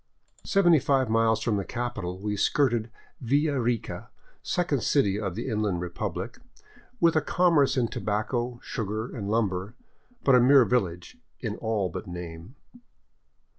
Seventy five miles from the capital we skirted Villa Rica, second city of the Inland Republic, with a commerce in tobacco, sugar, and lumber, but a mere village in all but name.